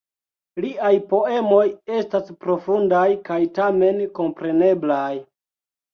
Liaj poemoj estas profundaj kaj tamen kompreneblaj.